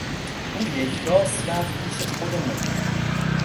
او یکراست رفت پیش خود مدیر.